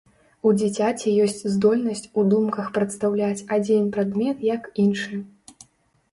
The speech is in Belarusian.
У дзіцяці ёсць здольнасць у думках прадстаўляць адзін прадмет як іншы.